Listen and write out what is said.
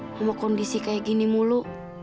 sama kondisi kayak gini mulu